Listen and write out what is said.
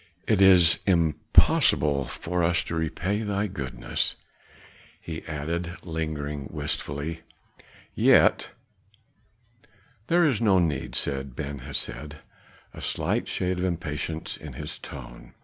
"It is impossible for us to repay thee thy goodness," he added, lingering wistfully. "Yet " "There is no need," said Ben Hesed, a slight shade of impatience in his tone.